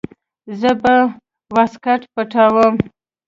زه به واسکټ پټاووم.